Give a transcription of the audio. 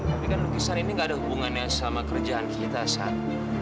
tapi kan lukisan ini gak ada hubungannya sama kerjaan kita saat